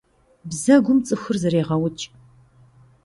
Бзэгум цӀыхур зэрегъэукӀ.